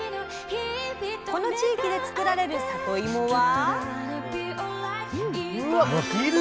この地域で作られるさといもは？